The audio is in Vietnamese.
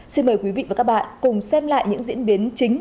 xin mời quý vị và các bạn cùng xem lại những diễn biến chính